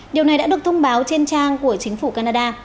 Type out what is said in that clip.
điều này đã được thông báo trên trang của chính phủ canada